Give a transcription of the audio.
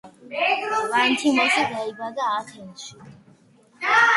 ლანთიმოსი დაიბადა ათენში.